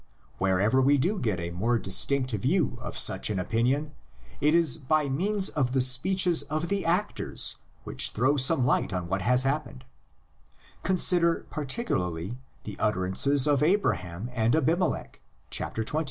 Wherever we do get a more distinct view of such an opinion it is by LITERARY FORM OF THE LEGENDS. 79 mean^ of the speeches of the actors which throw some light on what has happened; consider partic ularly the utterances of Abraham and Abimelech, chapter xx.